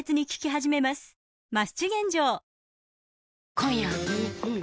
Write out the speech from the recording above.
今夜はん